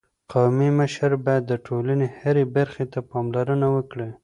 قومي مشر باید د ټولني هري برخي ته پاملرنه وکړي.